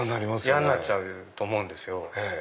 嫌になっちゃうと思うんですよ。